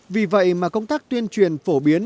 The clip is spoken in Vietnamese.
vì vậy mà công tác tuyên truyền phổ biến